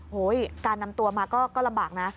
การนำตัวมาก็ลำบากนะ